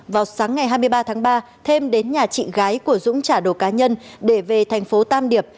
vào sáng ngày hai mươi ba tháng ba thêm đến nhà chị gái của dũng trả đồ cá nhân để về thành phố tam điệp